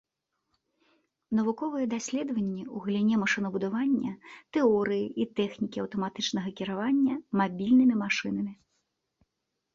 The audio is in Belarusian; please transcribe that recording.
Навуковыя даследаванні ў галіне машынабудавання, тэорыі і тэхнікі аўтаматычнага кіравання мабільнымі машынамі.